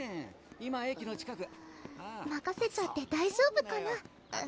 今駅の近くまかせちゃって大丈夫かな？